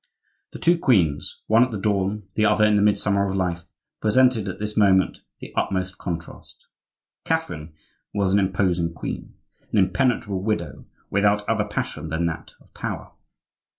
The two queens—one at the dawn, the other in the midsummer of life—presented at this moment the utmost contrast. Catherine was an imposing queen, an impenetrable widow, without other passion than that of power.